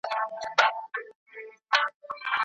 د کره کتني تمرین له نظریي ګټور وي.